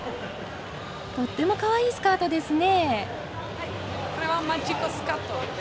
とってもかわいいスカートですね。